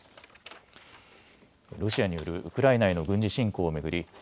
ロシアによるウクライナへの軍事侵攻を巡り